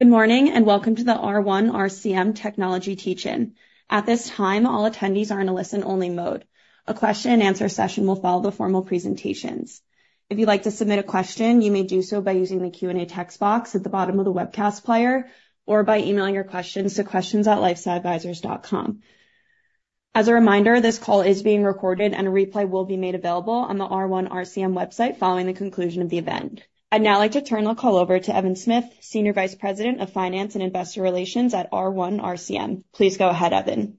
Good morning and welcome to the R1 RCM Technology Teach-in. At this time, all attendees are in a listen-only mode. A question-and-answer session will follow the formal presentations. If you'd like to submit a question, you may do so by using the Q&A text box at the bottom of the webcast player or by emailing your questions to questions@lifestyleadvisors.com. As a reminder, this call is being recorded and a replay will be made available on the R1 RCM website following the conclusion of the event. I'd now like to turn the call over to Evan Smith, Senior Vice President of Finance and Investor Relations at R1 RCM. Please go ahead, Evan.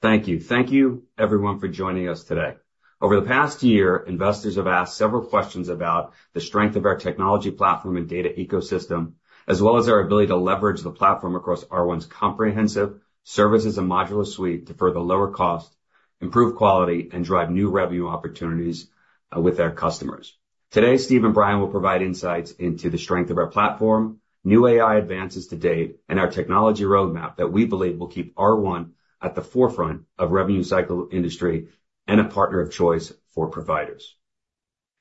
Thank you. Thank you, everyone, for joining us today. Over the past year, investors have asked several questions about the strength of our technology platform and data ecosystem, as well as our ability to leverage the platform across R1's comprehensive services and modular suite to further lower cost, improve quality, and drive new revenue opportunities with our customers. Today, Steve and Brian will provide insights into the strength of our platform, new AI advances to date, and our technology roadmap that we believe will keep R1 at the forefront of the revenue cycle industry and a partner of choice for providers.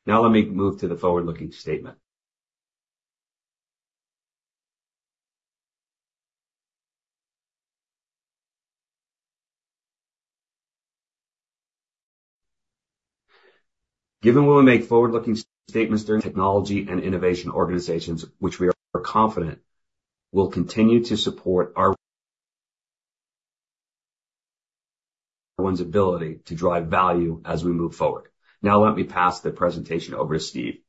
Now, let me move to the forward-looking statement. Given we will make forward-looking statements during technology and innovation organizations, which we are confident will continue to support R1's ability to drive value as we move forward. Now, let me pass the presentation over to Steve.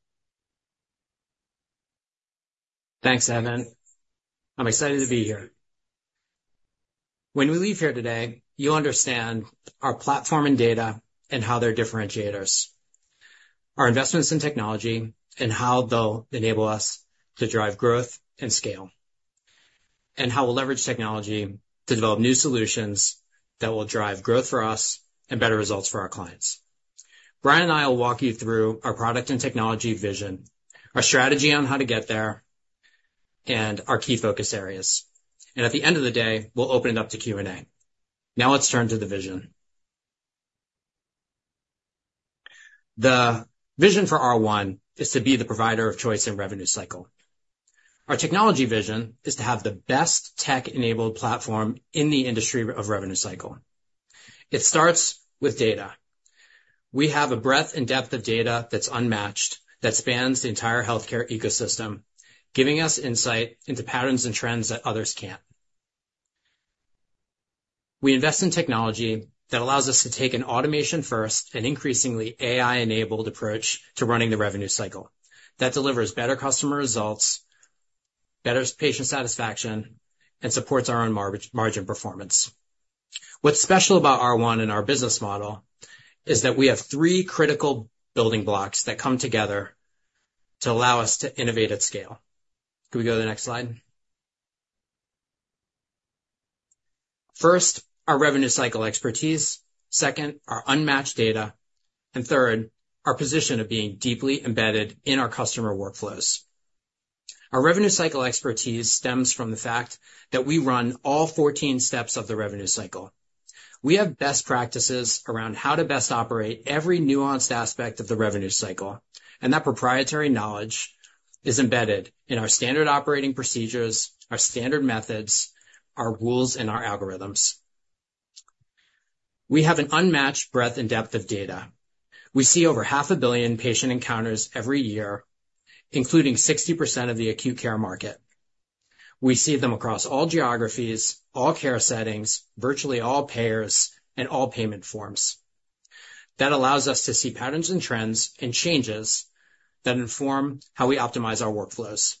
Thanks, Evan. I'm excited to be here. When we leave here today, you'll understand our platform and data and how they're differentiators, our investments in technology and how they'll enable us to drive growth and scale, and how we'll leverage technology to develop new solutions that will drive growth for us and better results for our clients. Brian and I will walk you through our product and technology vision, our strategy on how to get there, and our key focus areas. At the end of the day, we'll open it up to Q&A. Now, let's turn to the vision. The vision for R1 is to be the provider of choice in revenue cycle. Our technology vision is to have the best tech-enabled platform in the industry of revenue cycle. It starts with data. We have a breadth and depth of data that's unmatched that spans the entire healthcare ecosystem, giving us insight into patterns and trends that others can't. We invest in technology that allows us to take an automation-first and increasingly AI-enabled approach to running the revenue cycle that delivers better customer results, better patient satisfaction, and supports our own margin performance. What's special about R1 and our business model is that we have three critical building blocks that come together to allow us to innovate at scale. Can we go to the next slide? First, our revenue cycle expertise. Second, our unmatched data. And third, our position of being deeply embedded in our customer workflows. Our revenue cycle expertise stems from the fact that we run all 14 steps of the revenue cycle. We have best practices around how to best operate every nuanced aspect of the revenue cycle, and that proprietary knowledge is embedded in our standard operating procedures, our standard methods, our rules, and our algorithms. We have an unmatched breadth and depth of data. We see over 500 million patient encounters every year, including 60% of the acute care market. We see them across all geographies, all care settings, virtually all payers, and all payment forms. That allows us to see patterns and trends and changes that inform how we optimize our workflows.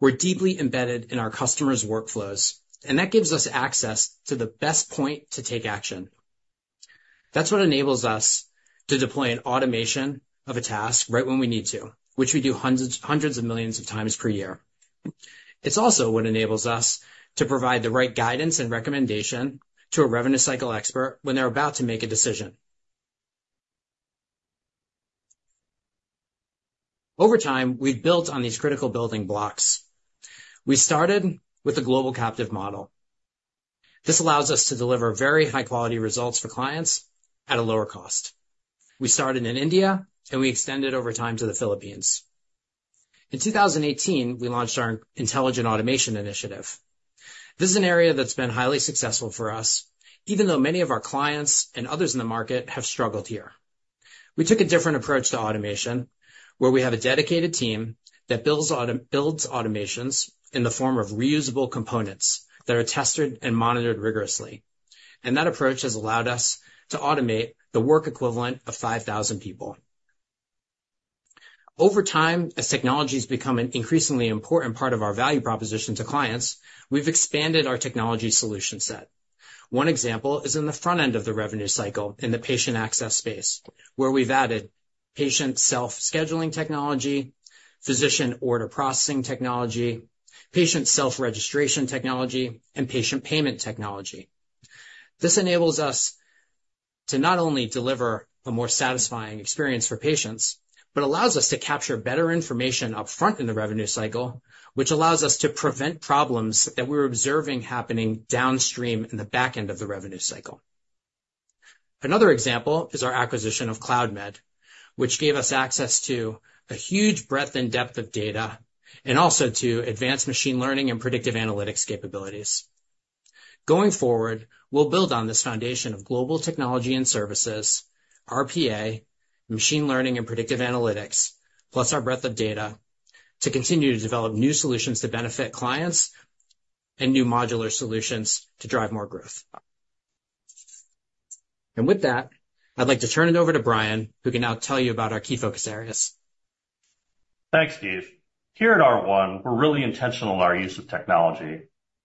We're deeply embedded in our customers' workflows, and that gives us access to the best point to take action. That's what enables us to deploy an automation of a task right when we need to, which we do hundreds of millions of times per year. It's also what enables us to provide the right guidance and recommendation to a revenue cycle expert when they're about to make a decision. Over time, we've built on these critical building blocks. We started with a global captive model. This allows us to deliver very high-quality results for clients at a lower cost. We started in India, and we extended over time to the Philippines. In 2018, we launched our intelligent automation initiative. This is an area that's been highly successful for us, even though many of our clients and others in the market have struggled here. We took a different approach to automation, where we have a dedicated team that builds automations in the form of reusable components that are tested and monitored rigorously. That approach has allowed us to automate the work equivalent of 5,000 people. Over time, as technology has become an increasingly important part of our value proposition to clients, we've expanded our technology solution set. One example is in the front end of the revenue cycle in the patient access space, where we've added patient self-scheduling technology, physician order processing technology, patient self-registration technology, and patient payment technology. This enables us to not only deliver a more satisfying experience for patients, but allows us to capture better information upfront in the revenue cycle, which allows us to prevent problems that we're observing happening downstream in the back end of the revenue cycle. Another example is our acquisition of Cloudmed, which gave us access to a huge breadth and depth of data and also to advanced machine learning and predictive analytics capabilities. Going forward, we'll build on this foundation of global technology and services, RPA, machine learning, and predictive analytics, plus our breadth of data to continue to develop new solutions to benefit clients and new modular solutions to drive more growth. With that, I'd like to turn it over to Brian, who can now tell you about our key focus areas. Thanks, Steve. Here at R1, we're really intentional in our use of technology.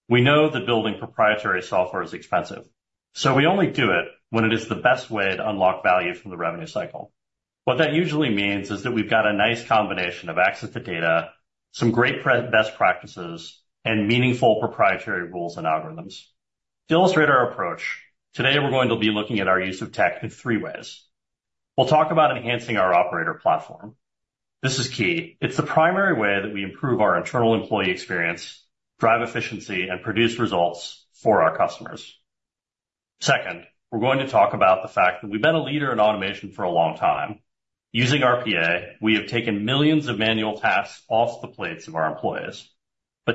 We know that building proprietary software is expensive, so we only do it when it is the best way to unlock value from the revenue cycle. What that usually means is that we've got a nice combination of access to data, some great best practices, and meaningful proprietary rules and algorithms. To illustrate our approach, today we're going to be looking at our use of tech in three ways. We'll talk about enhancing our operator platform. This is key. It's the primary way that we improve our internal employee experience, drive efficiency, and produce results for our customers. Second, we're going to talk about the fact that we've been a leader in automation for a long time. Using RPA, we have taken millions of manual tasks off the plates of our employees.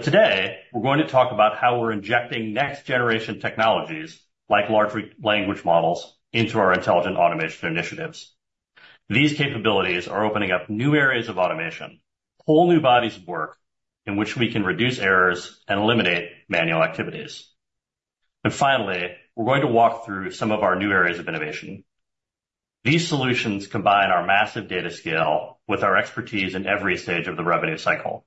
Today, we're going to talk about how we're injecting next-generation technologies like large language models into our intelligent automation initiatives. These capabilities are opening up new areas of automation, whole new bodies of work in which we can reduce errors and eliminate manual activities. Finally, we're going to walk through some of our new areas of innovation. These solutions combine our massive data scale with our expertise in every stage of the revenue cycle.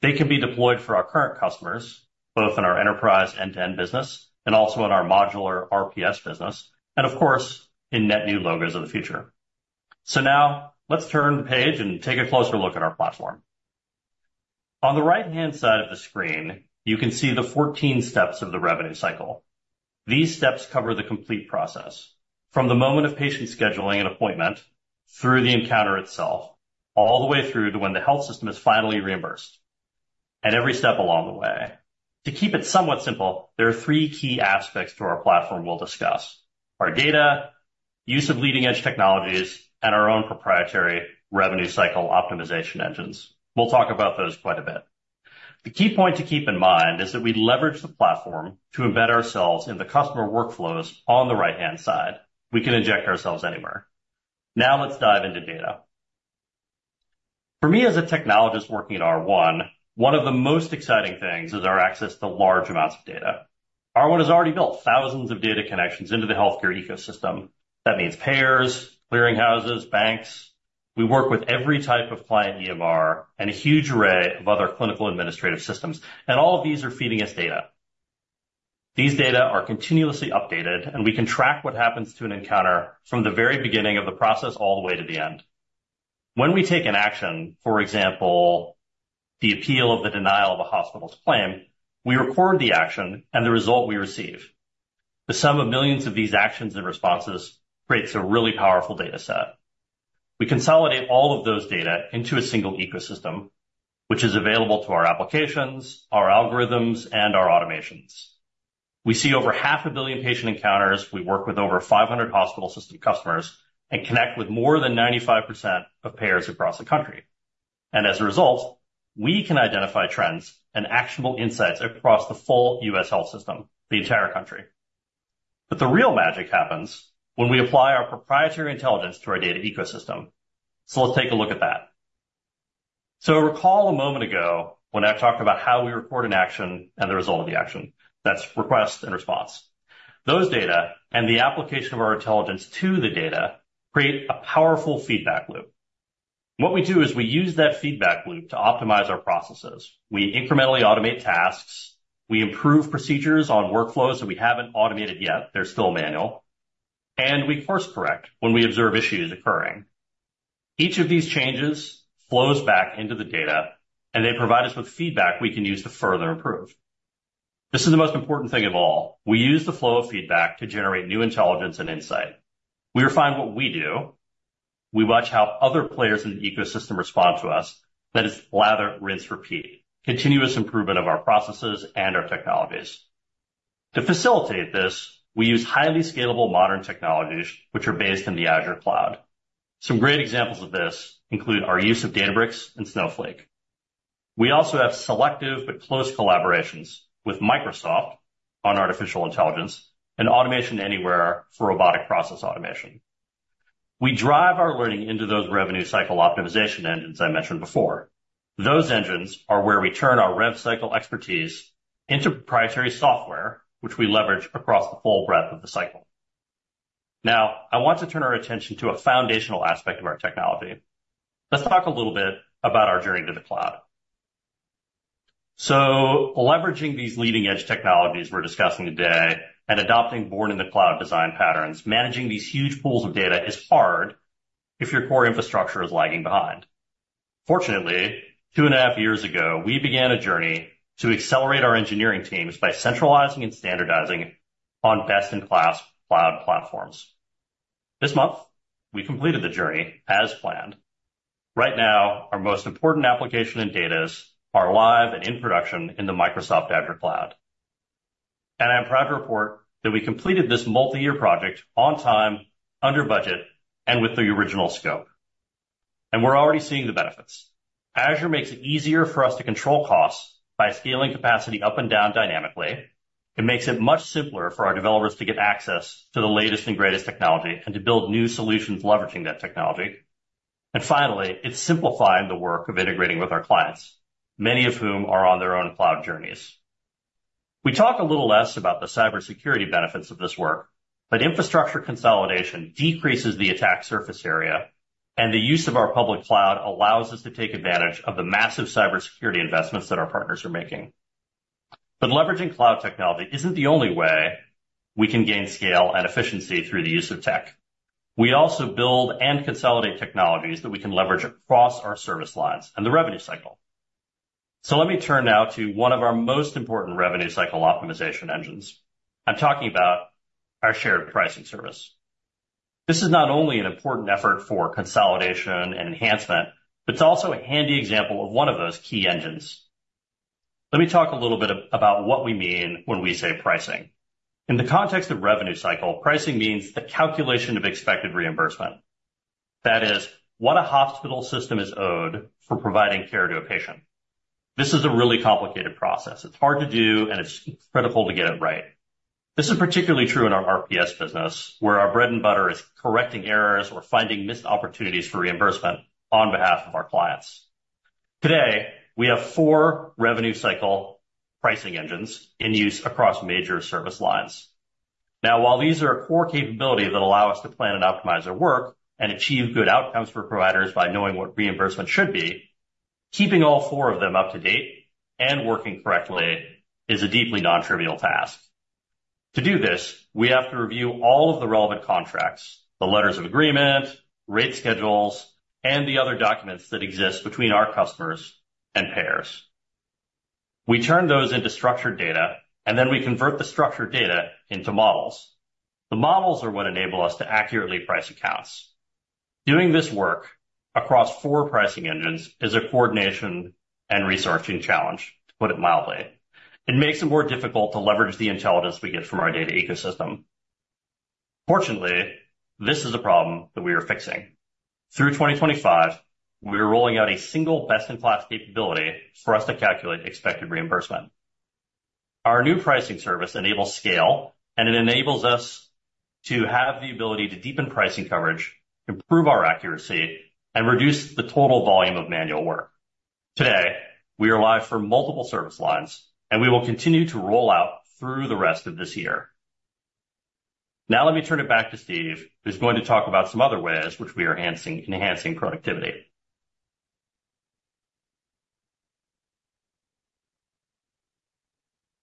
They can be deployed for our current customers, both in our enterprise end-to-end business and also in our modular RPS business, and of course, in net new logos of the future. Now, let's turn the page and take a closer look at our platform. On the right-hand side of the screen, you can see the 14 steps of the revenue cycle. These steps cover the complete process, from the moment of patient scheduling and appointment through the encounter itself, all the way through to when the health system is finally reimbursed, and every step along the way. To keep it somewhat simple, there are three key aspects to our platform we'll discuss: our data, use of leading-edge technologies, and our own proprietary revenue cycle optimization engines. We'll talk about those quite a bit. The key point to keep in mind is that we leverage the platform to embed ourselves in the customer workflows on the right-hand side. We can inject ourselves anywhere. Now, let's dive into data. For me, as a technologist working at R1, one of the most exciting things is our access to large amounts of data. R1 has already built thousands of data connections into the healthcare ecosystem. That means payers, clearing houses, banks. We work with every type of client EMR and a huge array of other clinical administrative systems. All of these are feeding us data. These data are continuously updated, and we can track what happens to an encounter from the very beginning of the process all the way to the end. When we take an action, for example, the appeal of the denial of a hospital's claim, we record the action and the result we receive. The sum of millions of these actions and responses creates a really powerful data set. We consolidate all of those data into a single ecosystem, which is available to our applications, our algorithms, and our automations. We see over half a billion patient encounters. We work with over 500 hospital system customers and connect with more than 95% of payers across the country. As a result, we can identify trends and actionable insights across the full U.S. health system, the entire country. The real magic happens when we apply our proprietary intelligence to our data ecosystem. Let's take a look at that. Recall a moment ago when I talked about how we record an action and the result of the action. That's request and response. Those data and the application of our intelligence to the data create a powerful feedback loop. What we do is we use that feedback loop to optimize our processes. We incrementally automate tasks. We improve procedures on workflows that we haven't automated yet. They're still manual. We course-correct when we observe issues occurring. Each of these changes flows back into the data, and they provide us with feedback we can use to further improve. This is the most important thing of all. We use the flow of feedback to generate new intelligence and insight. We refine what we do. We watch how other players in the ecosystem respond to us. That is lather, rinse, repeat: continuous improvement of our processes and our technologies. To facilitate this, we use highly scalable modern technologies, which are based in the Azure Cloud. Some great examples of this include our use of Databricks and Snowflake. We also have selective but close collaborations with Microsoft on artificial intelligence and Automation Anywhere for robotic process automation. We drive our learning into those revenue cycle optimization engines I mentioned before. Those engines are where we turn our rev cycle expertise into proprietary software, which we leverage across the full breadth of the cycle. Now, I want to turn our attention to a foundational aspect of our technology. Let's talk a little bit about our journey to the cloud. Leveraging these leading-edge technologies we're discussing today and adopting born-in-the-cloud design patterns, managing these huge pools of data is hard if your core infrastructure is lagging behind. Fortunately, two and a half years ago, we began a journey to accelerate our engineering teams by centralizing and standardizing on best-in-class cloud platforms. This month, we completed the journey as planned. Right now, our most important application and data are live and in production in the Microsoft Azure Cloud. I'm proud to report that we completed this multi-year project on time, under budget, and with the original scope. We're already seeing the benefits. Azure makes it easier for us to control costs by scaling capacity up and down dynamically. It makes it much simpler for our developers to get access to the latest and greatest technology and to build new solutions leveraging that technology. Finally, it's simplifying the work of integrating with our clients, many of whom are on their own cloud journeys. We talk a little less about the cybersecurity benefits of this work, but infrastructure consolidation decreases the attack surface area, and the use of our public cloud allows us to take advantage of the massive cybersecurity investments that our partners are making. Leveraging cloud technology isn't the only way we can gain scale and efficiency through the use of tech. We also build and consolidate technologies that we can leverage across our service lines and the revenue cycle. So let me turn now to one of our most important revenue cycle optimization engines. I'm talking about our shared pricing service. This is not only an important effort for consolidation and enhancement, but it's also a handy example of one of those key engines. Let me talk a little bit about what we mean when we say pricing. In the context of revenue cycle, pricing means the calculation of expected reimbursement. That is, what a hospital system is owed for providing care to a patient. This is a really complicated process. It's hard to do, and it's critical to get it right. This is particularly true in our RPS business, where our bread and butter is correcting errors or finding missed opportunities for reimbursement on behalf of our clients. Today, we have four revenue cycle pricing engines in use across major service lines. Now, while these are a core capability that allows us to plan and optimize our work and achieve good outcomes for providers by knowing what reimbursement should be, keeping all four of them up to date and working correctly is a deeply non-trivial task. To do this, we have to review all of the relevant contracts, the letters of agreement, rate schedules, and the other documents that exist between our customers and payers. We turn those into structured data, and then we convert the structured data into models. The models are what enable us to accurately price accounts. Doing this work across four pricing engines is a coordination and researching challenge, to put it mildly. It makes it more difficult to leverage the intelligence we get from our data ecosystem. Fortunately, this is a problem that we are fixing. Through 2025, we are rolling out a single best-in-class capability for us to calculate expected reimbursement. Our new pricing service enables scale, and it enables us to have the ability to deepen pricing coverage, improve our accuracy, and reduce the total volume of manual work. Today, we are live for multiple service lines, and we will continue to roll out through the rest of this year. Now, let me turn it back to Steve, who's going to talk about some other ways which we are enhancing productivity.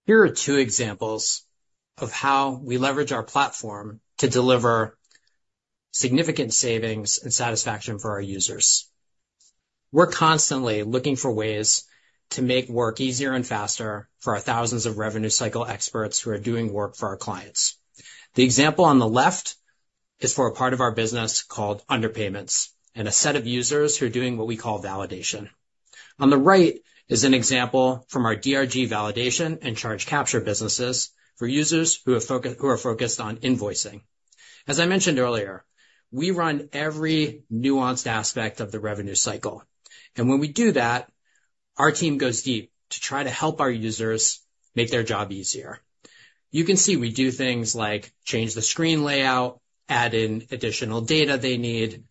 Here are two examples of how we leverage our platform to deliver significant savings and satisfaction for our users. We're constantly looking for ways to make work easier and faster for our thousands of revenue cycle experts who are doing work for our clients. The example on the left is for a part of our business called underpayments and a set of users who are doing what we call validation. On the right is an example from our DRG validation and charge capture businesses for users who are focused on invoicing. As I mentioned earlier, we run every nuanced aspect of the revenue cycle. And when we do that, our team goes deep to try to help our users make their job easier. You can see we do things like change the screen layout, add in additional data they need,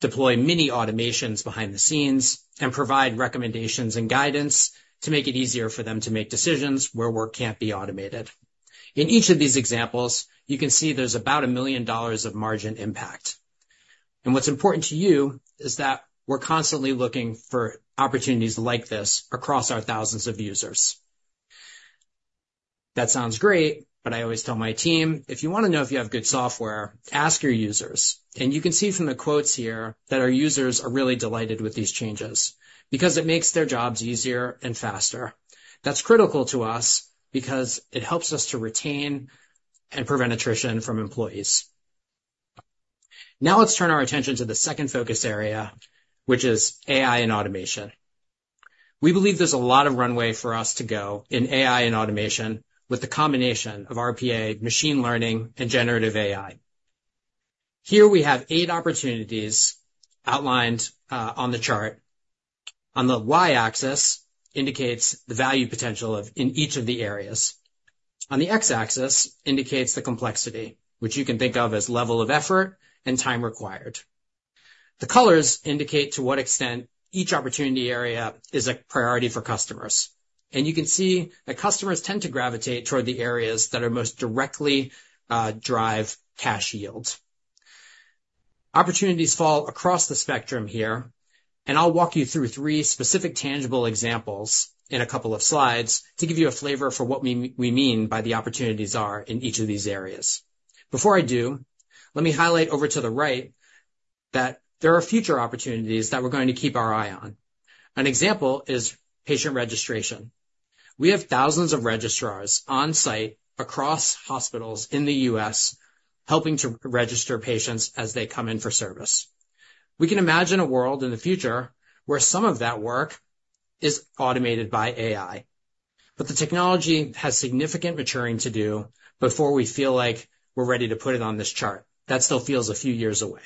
deploy mini automations behind the scenes, and provide recommendations and guidance to make it easier for them to make decisions where work can't be automated. In each of these examples, you can see there's about $1 million of margin impact. What's important to you is that we're constantly looking for opportunities like this across our thousands of users. That sounds great, but I always tell my team, "If you want to know if you have good software, ask your users." You can see from the quotes here that our users are really delighted with these changes because it makes their jobs easier and faster. That's critical to us because it helps us to retain and prevent attrition from employees. Now, let's turn our attention to the second focus area, which is AI and automation. We believe there's a lot of runway for us to go in AI and automation with the combination of RPA, machine learning, and generative AI. Here, we have eight opportunities outlined on the chart. On the Y axis, it indicates the value potential in each of the areas. On the X axis, it indicates the complexity, which you can think of as level of effort and time required. The colors indicate to what extent each opportunity area is a priority for customers. You can see that customers tend to gravitate toward the areas that are most directly drive cash yield. Opportunities fall across the spectrum here. And I'll walk you through three specific tangible examples in a couple of slides to give you a flavor for what we mean by the opportunities are in each of these areas. Before I do, let me highlight over to the right that there are future opportunities that we're going to keep our eye on. An example is patient registration. We have thousands of registrars on site across hospitals in the U.S. helping to register patients as they come in for service. We can imagine a world in the future where some of that work is automated by AI. But the technology has significant maturing to do before we feel like we're ready to put it on this chart. That still feels a few years away.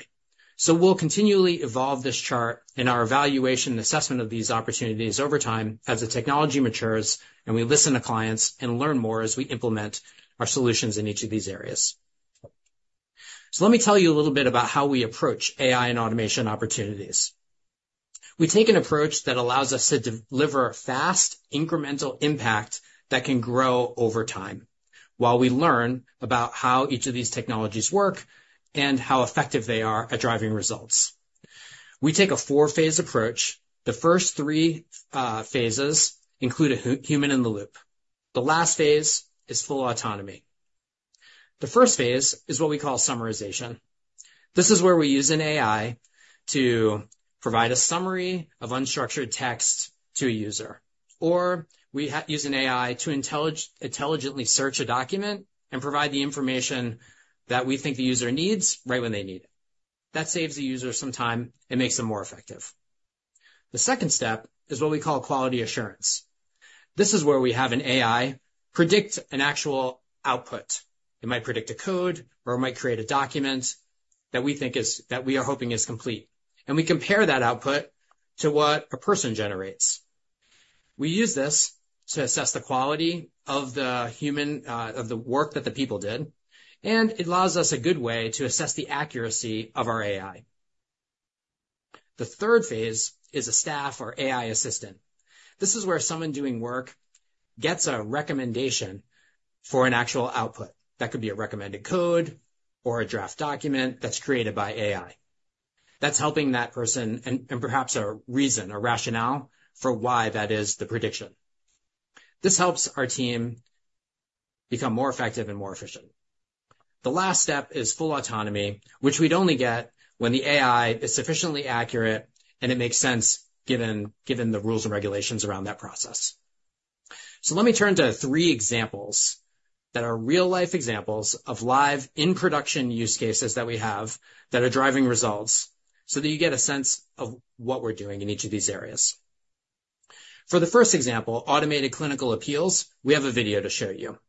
So we'll continually evolve this chart and our evaluation and assessment of these opportunities over time as the technology matures and we listen to clients and learn more as we implement our solutions in each of these areas. So let me tell you a little bit about how we approach AI and automation opportunities. We take an approach that allows us to deliver fast incremental impact that can grow over time while we learn about how each of these technologies work and how effective they are at driving results. We take a four-phase approach. The first three phases include a human in the loop. The last phase is full autonomy. The first phase is what we call summarization. This is where we use an AI to provide a summary of unstructured text to a user. Or we use an AI to intelligently search a document and provide the information that we think the user needs right when they need it. That saves the user some time and makes them more effective. The second step is what we call quality assurance. This is where we have an AI predict an actual output. It might predict a code or it might create a document that we think is that we are hoping is complete. And we compare that output to what a person generates. We use this to assess the quality of the human of the work that the people did. And it allows us a good way to assess the accuracy of our AI. The third phase is a staff or AI assistant. This is where someone doing work gets a recommendation for an actual output. That could be a recommended code or a draft document that's created by AI. That's helping that person and perhaps a reason, a rationale for why that is the prediction. This helps our team become more effective and more efficient. The last step is full autonomy, which we'd only get when the AI is sufficiently accurate and it makes sense given the rules and regulations around that process. So let me turn to three examples that are real-life examples of live in-production use cases that we have that are driving results so that you get a sense of what we're doing in each of these areas. For the first example, automated clinical appeals, we have a video to show you.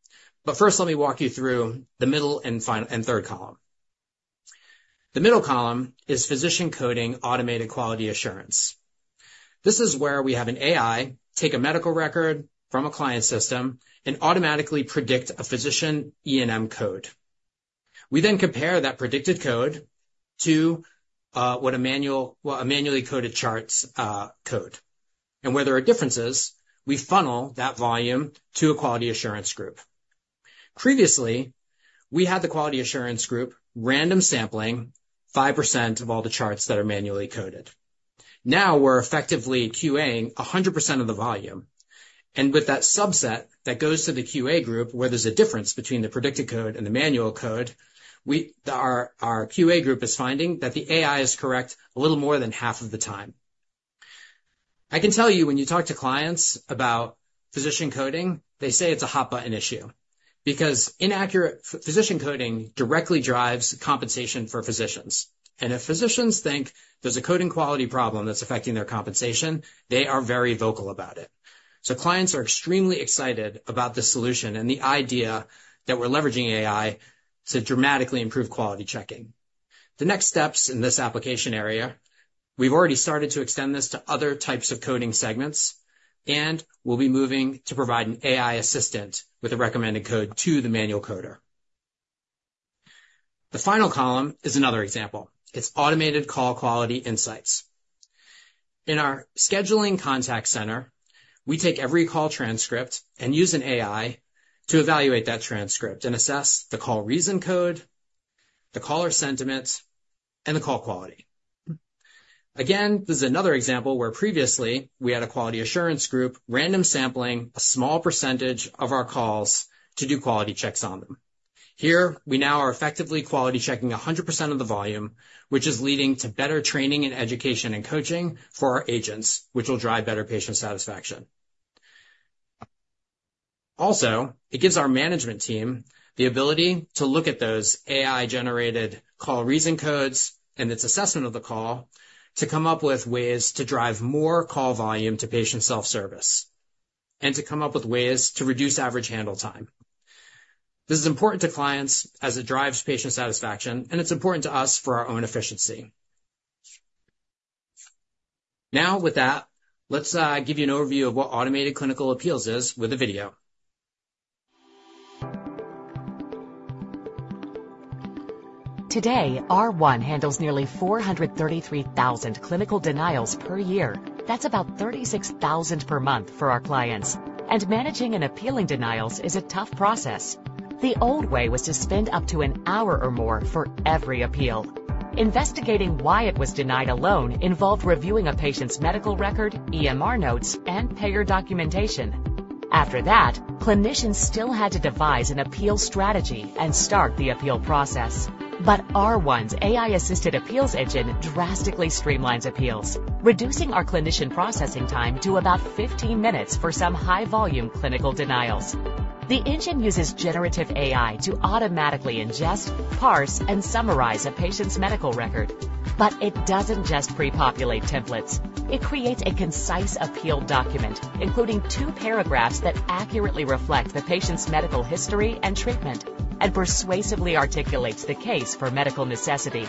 But first, let me walk you through the middle and third column. The middle column is physician coding automated quality assurance. This is where we have an AI take a medical record from a client system and automatically predict a physician E/M code. We then compare that predicted code to what a manually coded chart's code. And where there are differences, we funnel that volume to a quality assurance group. Previously, we had the quality assurance group random sampling 5% of all the charts that are manually coded. Now, we're effectively QAing 100% of the volume. And with that subset that goes to the QA group, where there's a difference between the predicted code and the manual code, our QA group is finding that the AI is correct a little more than half of the time. I can tell you, when you talk to clients about physician coding, they say it's a hot-button issue because inaccurate physician coding directly drives compensation for physicians. And if physicians think there's a coding quality problem that's affecting their compensation, they are very vocal about it. So clients are extremely excited about the solution and the idea that we're leveraging AI to dramatically improve quality checking. The next steps in this application area, we've already started to extend this to other types of coding segments, and we'll be moving to provide an AI assistant with a recommended code to the manual coder. The final column is another example. It's automated call quality insights. In our scheduling contact center, we take every call transcript and use an AI to evaluate that transcript and assess the call reason code, the caller sentiment, and the call quality. Again, this is another example where previously we had a quality assurance group random sampling a small percentage of our calls to do quality checks on them. Here, we now are effectively quality checking 100% of the volume, which is leading to better training and education and coaching for our agents, which will drive better patient satisfaction. Also, it gives our management team the ability to look at those AI-generated call reason codes and its assessment of the call to come up with ways to drive more call volume to patient self-service and to come up with ways to reduce average handle time. This is important to clients as it drives patient satisfaction, and it's important to us for our own efficiency. Now, with that, let's give you an overview of what automated clinical appeals is with a video. Today, R1 handles nearly 433,000 clinical denials per year. That's about 36,000 per month for our clients. Managing and appealing denials is a tough process. The old way was to spend up to an hour or more for every appeal. Investigating why it was denied alone involved reviewing a patient's medical record, EMR notes, and payer documentation. After that, clinicians still had to devise an appeal strategy and start the appeal process. R1's AI-assisted appeals engine drastically streamlines appeals, reducing our clinician processing time to about 15 minutes for some high-volume clinical denials. The engine uses generative AI to automatically ingest, parse, and summarize a patient's medical record. It doesn't just pre-populate templates. It creates a concise appeal document, including two paragraphs that accurately reflect the patient's medical history and treatment and persuasively articulates the case for medical necessity.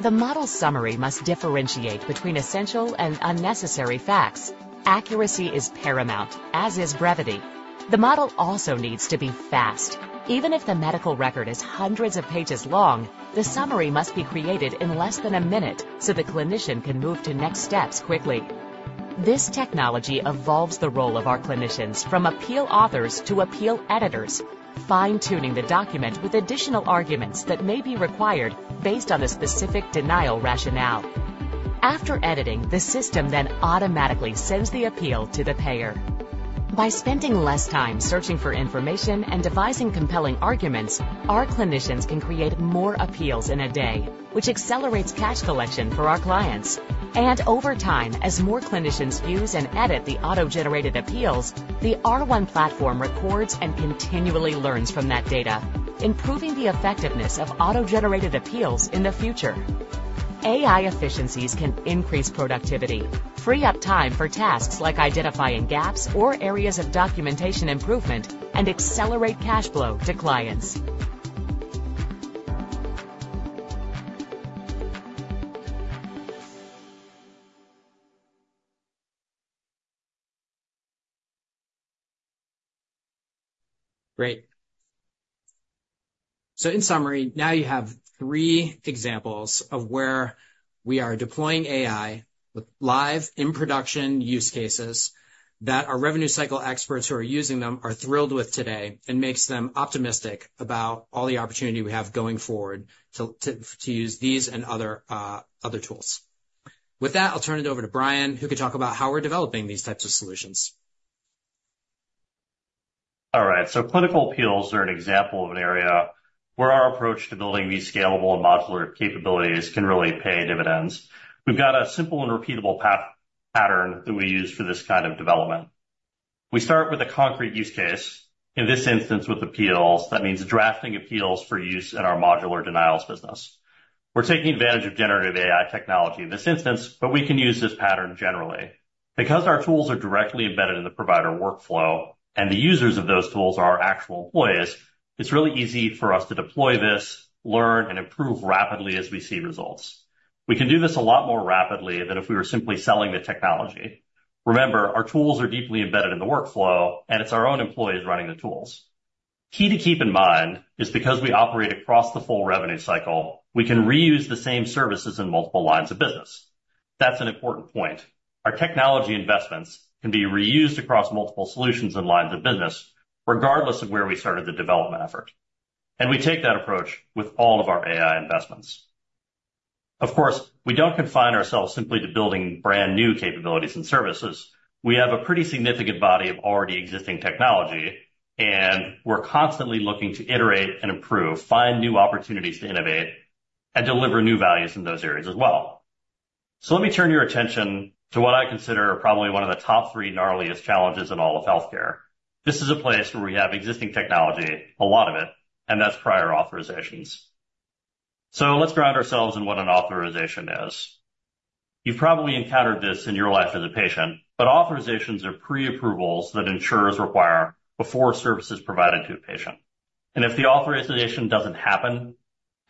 The model summary must differentiate between essential and unnecessary facts. Accuracy is paramount, as is brevity. The model also needs to be fast. Even if the medical record is hundreds of pages long, the summary must be created in less than a minute so the clinician can move to next steps quickly. This technology evolves the role of our clinicians from appeal authors to appeal editors, fine-tuning the document with additional arguments that may be required based on a specific denial rationale. After editing, the system then automatically sends the appeal to the payer. By spending less time searching for information and devising compelling arguments, our clinicians can create more appeals in a day, which accelerates cash collection for our clients. Over time, as more clinicians use and edit the auto-generated appeals, the R1 platform records and continually learns from that data, improving the effectiveness of auto-generated appeals in the future. AI efficiencies can increase productivity, free up time for tasks like identifying gaps or areas of documentation improvement, and accelerate cash flow to clients. Great. So in summary, now you have three examples of where we are deploying AI with live in-production use cases that our revenue cycle experts who are using them are thrilled with today and makes them optimistic about all the opportunity we have going forward to use these and other tools. With that, I'll turn it over to Brian, who can talk about how we're developing these types of solutions. All right. So clinical appeals are an example of an area where our approach to building these scalable and modular capabilities can really pay dividends. We've got a simple and repeatable pattern that we use for this kind of development. We start with a concrete use case. In this instance, with appeals, that means drafting appeals for use in our modular denials business. We're taking advantage of generative AI technology in this instance, but we can use this pattern generally. Because our tools are directly embedded in the provider workflow and the users of those tools are our actual employees, it's really easy for us to deploy this, learn, and improve rapidly as we see results. We can do this a lot more rapidly than if we were simply selling the technology. Remember, our tools are deeply embedded in the workflow, and it's our own employees running the tools. Key to keep in mind is because we operate across the full revenue cycle, we can reuse the same services in multiple lines of business. That's an important point. Our technology investments can be reused across multiple solutions and lines of business, regardless of where we started the development effort. We take that approach with all of our AI investments. Of course, we don't confine ourselves simply to building brand new capabilities and services. We have a pretty significant body of already existing technology, and we're constantly looking to iterate and improve, find new opportunities to innovate, and deliver new values in those areas as well. Let me turn your attention to what I consider probably one of the top three gnarliest challenges in all of healthcare. This is a place where we have existing technology, a lot of it, and that's prior authorizations. Let's ground ourselves in what an authorization is. You've probably encountered this in your life as a patient, but authorizations are pre-approvals that insurers require before services provided to a patient. And if the authorization doesn't happen,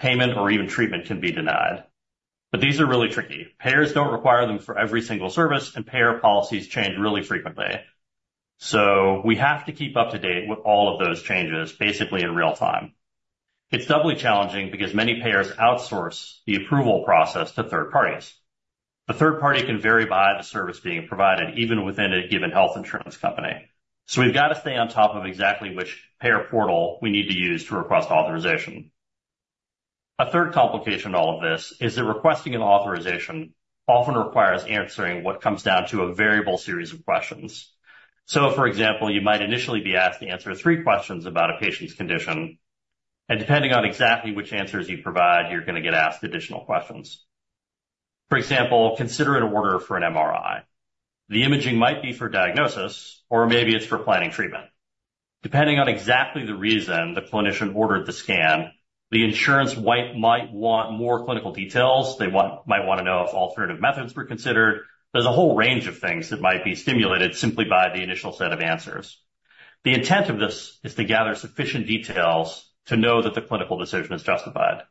payment or even treatment can be denied. But these are really tricky. Payers don't require them for every single service, and payer policies change really frequently. We have to keep up to date with all of those changes basically in real time. It's doubly challenging because many payers outsource the approval process to third parties. The third party can vary by the service being provided even within a given health insurance company. We've got to stay on top of exactly which payer portal we need to use to request authorization. A third complication in all of this is that requesting an authorization often requires answering what comes down to a variable series of questions. For example, you might initially be asked to answer three questions about a patient's condition. Depending on exactly which answers you provide, you're going to get asked additional questions. For example, consider an order for an MRI. The imaging might be for diagnosis, or maybe it's for planning treatment. Depending on exactly the reason the clinician ordered the scan, the insurance might want more clinical details. They might want to know if alternative methods were considered. There's a whole range of things that might be stimulated simply by the initial set of answers. The intent of this is to gather sufficient details to know that the clinical decision is justified.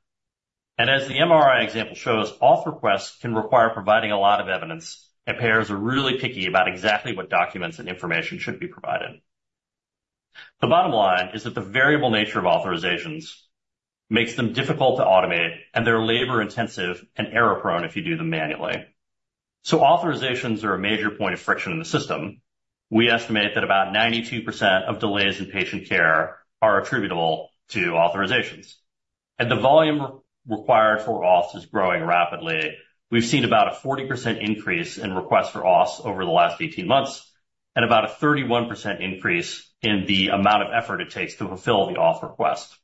As the MRI example shows, auth requests can require providing a lot of evidence, and payers are really picky about exactly what documents and information should be provided. The bottom line is that the variable nature of authorizations makes them difficult to automate, and they're labor-intensive and error-prone if you do them manually. Authorizations are a major point of friction in the system. We estimate that about 92% of delays in patient care are attributable to authorizations. The volume required for auth is growing rapidly. We've seen about a 40% increase in requests for auths over the last 18 months and about a 31% increase in the amount of effort it takes to fulfill the auth request.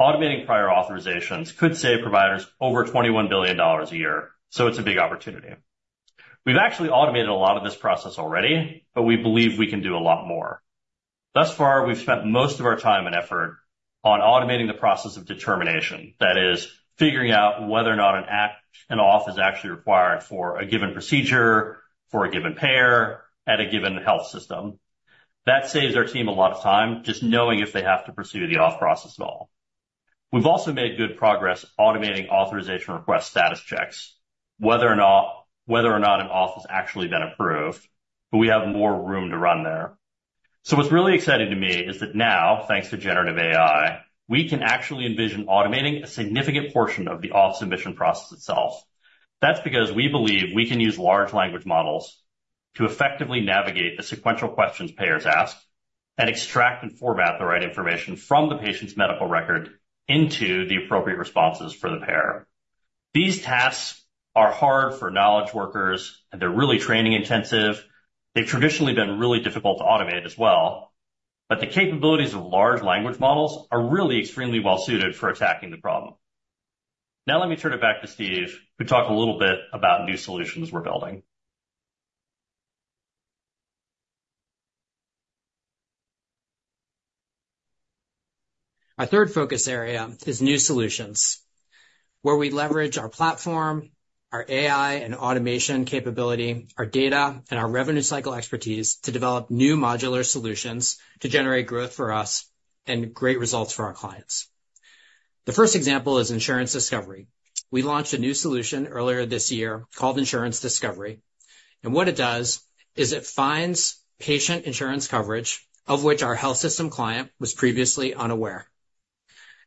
Automating prior authorizations could save providers over $21 billion a year, so it's a big opportunity. We've actually automated a lot of this process already, but we believe we can do a lot more. Thus far, we've spent most of our time and effort on automating the process of determination, that is, figuring out whether or not an auth is actually required for a given procedure, for a given payer, at a given health system. That saves our team a lot of time just knowing if they have to pursue the auth process at all. We've also made good progress automating authorization request status checks, whether or not an auth has actually been approved, but we have more room to run there. So what's really exciting to me is that now, thanks to Generative AI, we can actually envision automating a significant portion of the auth submission process itself. That's because we believe we can use large language models to effectively navigate the sequential questions payers ask and extract and format the right information from the patient's medical record into the appropriate responses for the payer. These tasks are hard for knowledge workers, and they're really training intensive. They've traditionally been really difficult to automate as well. But the capabilities of large language models are really extremely well-suited for attacking the problem. Now let me turn it back to Steve, who talked a little bit about new solutions we're building. Our third focus area is new solutions, where we leverage our platform, our AI and automation capability, our data, and our revenue cycle expertise to develop new modular solutions to generate growth for us and great results for our clients. The first example is Insurance Discovery. We launched a new solution earlier this year called Insurance Discovery. What it does is it finds patient insurance coverage, of which our health system client was previously unaware.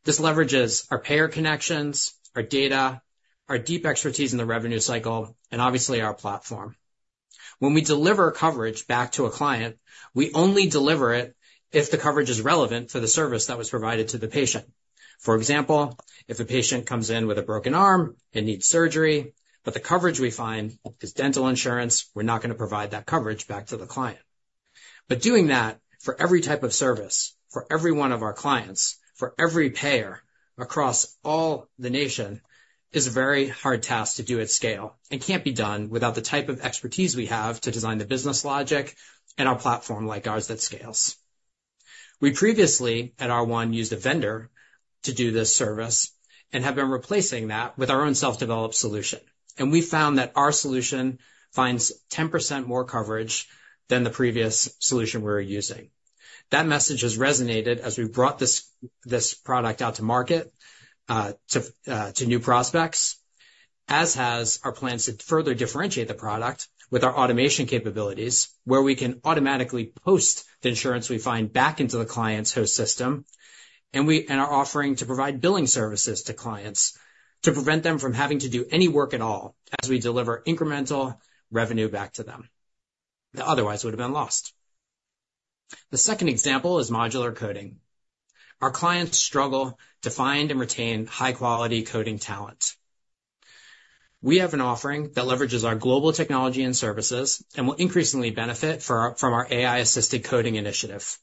This leverages our payer connections, our data, our deep expertise in the revenue cycle, and obviously our platform. When we deliver coverage back to a client, we only deliver it if the coverage is relevant to the service that was provided to the patient. For example, if a patient comes in with a broken arm and needs surgery, but the coverage we find is dental insurance, we're not going to provide that coverage back to the client. But doing that for every type of service, for every one of our clients, for every payer across all the nation is a very hard task to do at scale and can't be done without the type of expertise we have to design the business logic and our platform like ours that scales. We previously at R1 used a vendor to do this service and have been replacing that with our own self-developed solution. We found that our solution finds 10% more coverage than the previous solution we were using. That message has resonated as we brought this product out to market to new prospects, as has our plans to further differentiate the product with our automation capabilities, where we can automatically post the insurance we find back into the client's host system. We are offering to provide billing services to clients to prevent them from having to do any work at all as we deliver incremental revenue back to them that otherwise would have been lost. The second example is modular coding. Our clients struggle to find and retain high-quality coding talent. We have an offering that leverages our global technology and services and will increasingly benefit from our AI-assisted coding initiative.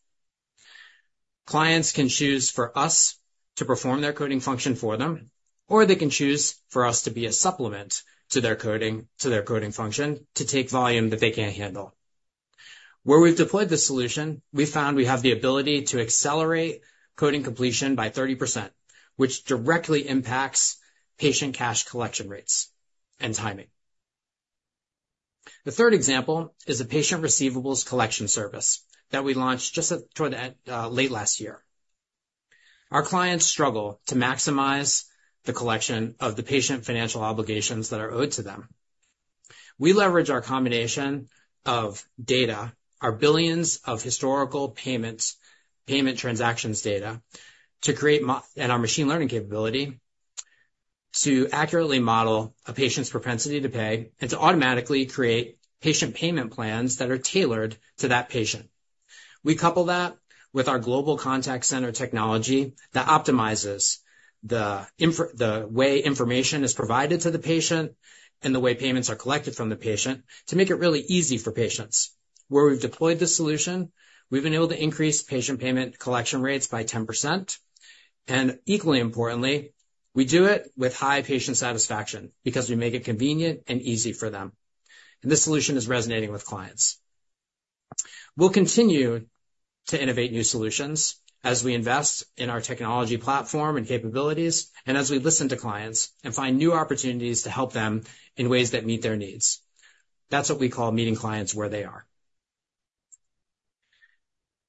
Clients can choose for us to perform their coding function for them, or they can choose for us to be a supplement to their coding function to take volume that they can't handle. Where we've deployed the solution, we found we have the ability to accelerate coding completion by 30%, which directly impacts patient cash collection rates and timing. The third example is a patient receivables collection service that we launched just toward late last year. Our clients struggle to maximize the collection of the patient financial obligations that are owed to them. We leverage our combination of data, our billions of historical payment transactions data, and our machine learning capability to accurately model a patient's propensity to pay and to automatically create patient payment plans that are tailored to that patient. We couple that with our global contact center technology that optimizes the way information is provided to the patient and the way payments are collected from the patient to make it really easy for patients. Where we've deployed the solution, we've been able to increase patient payment collection rates by 10%. And equally importantly, we do it with high patient satisfaction because we make it convenient and easy for them. And this solution is resonating with clients. We'll continue to innovate new solutions as we invest in our technology platform and capabilities, and as we listen to clients and find new opportunities to help them in ways that meet their needs. That's what we call meeting clients where they are.